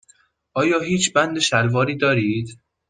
آیا هیچ بند شلواری دارید؟